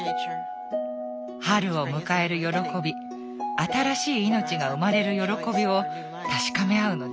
春を迎える喜び新しい命が生まれる喜びを確かめ合うのです。